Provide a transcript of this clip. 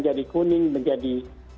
jadi kuning menjadi